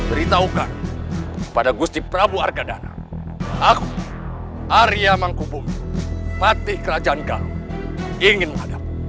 beritaukan pada gusti prabu argadana aku arya mangkubung patih kerajaan galung ingin menghadap